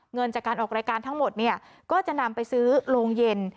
เงินจากการออกรายการทั้งหมดเนี่ยก็จะนำไปซื้อโรงเย็น